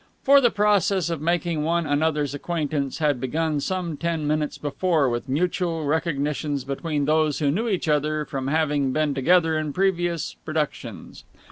For the process of making one another's acquaintance had begun some ten minutes before with mutual recognitions between those who knew each other from having been together in previous productions.